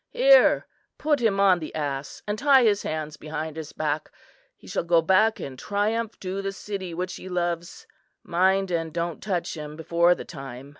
"Here, put him on the ass and tie his hands behind his back. He shall go back in triumph to the city which he loves. Mind, and don't touch him before the time.